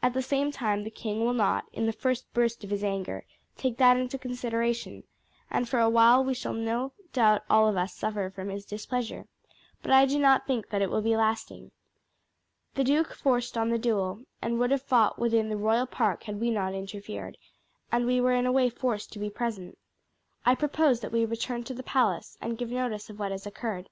At the same time the king will not, in the first burst of his anger, take that into consideration, and for awhile we shall no doubt all of us suffer from his displeasure; but I do not think that it will be lasting. The duke forced on the duel, and would have fought within the royal park had we not interfered, and we were in a way forced to be present. I propose that we return to the palace and give notice of what has occurred.